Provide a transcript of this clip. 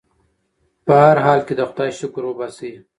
په هر حال کې د خدای شکر وباسئ.